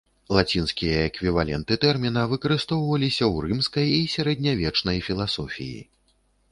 Лацінскія эквіваленты тэрміна выкарыстоўваліся ў рымскай і сярэднявечнай філасофіі.